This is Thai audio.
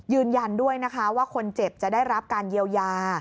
ยืนยันด้วยนะคะว่าคนเจ็บจะได้รับการเยียวยา